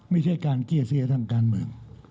ไม่ใช่การเกลี้ยเสียทางการเมือง